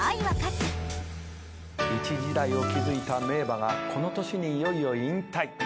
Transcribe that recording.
一時代を築いた名馬がこの年にいよいよ引退。